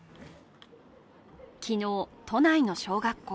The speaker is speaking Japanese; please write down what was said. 昨日、都内の小学校。